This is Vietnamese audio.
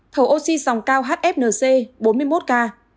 thở oxy dòng cao hfnc bốn mươi một ca